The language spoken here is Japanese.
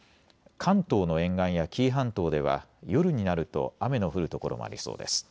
関東の沿岸や紀伊半島では夜になると雨の降る所もありそうです。